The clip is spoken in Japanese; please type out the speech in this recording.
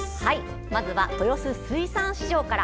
まずは豊洲水産市場から。